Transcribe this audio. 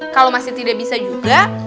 kalau masih tidak bisa juga